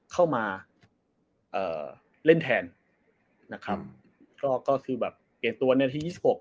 เข้ามาเอ่อเล่นแทนนะครับก็คือแบบเปลี่ยนตัวนาทียี่สิบหก